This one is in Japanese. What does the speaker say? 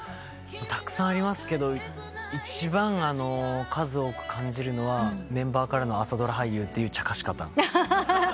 たくさんありますけど一番数多く感じるのはメンバーからの「朝ドラ俳優」というちゃかし方。